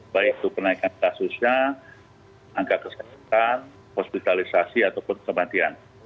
baik itu kenaikan kasusnya angka kesehatan hospitalisasi ataupun kematian